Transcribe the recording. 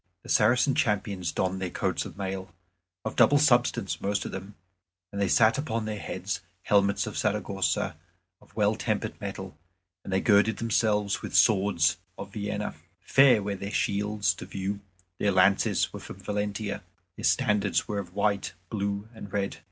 The Saracen champions donned their coats of mail, of double substance most of them, and they set upon their heads helmets of Saragossa of well tempered metal, and they girded themselves with swords of Vienna. Fair were their shields to view; their lances were from Valentia; their standards were of white, blue, and red.